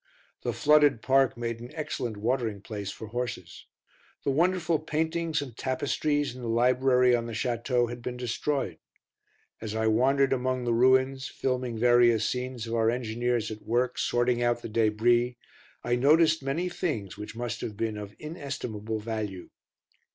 The flooded park made an excellent watering place for horses. The wonderful paintings and tapestries in the library on the Château had been destroyed. As I wandered among the ruins, filming various scenes of our engineers at work sorting out the débris, I noticed many things which must have been of inestimable value.